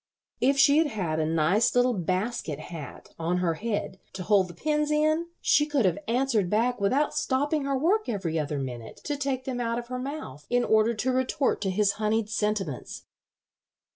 If she had had a nice little basket hat on her head to hold the pins in she could have answered back without stopping her work every other minute to take them out of her mouth in order to retort to his honeyed sentiments."